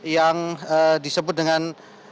yang disebut dengan